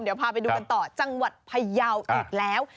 เดี๋ยวพาไปดูกันต่อจังหวัดพยาวอีกแล้ว